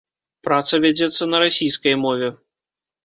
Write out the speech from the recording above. Праца вядзецца на расійскай мове.